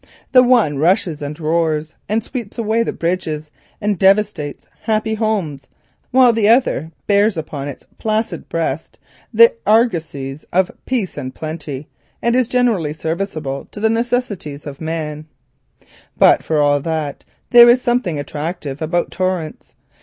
The one rushes and roars and sweeps away the bridges and devastates happy homes, while the other bears upon its placid breast the argosies of peace and plenty and is generally serviceable to the necessities of man. Still, there is something attractive about torrents.